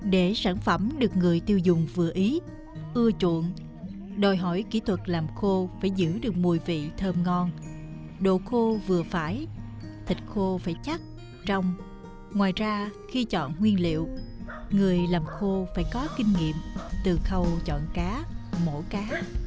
để sản phẩm được người tiêu dùng vừa ý ưa chuộng đòi hỏi kỹ thuật làm khô phải giữ được mùi vị thơm ngon độ khô vừa phải thịt khô phải chắc trong ngoài ra khi chọn nguyên liệu người làm khô phải có kinh nghiệm từ khâu chọn cá mổ cá